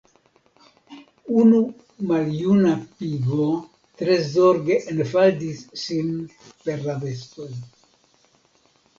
Unu maljuna pigo tre zorge enfaldis sin per la vestoj.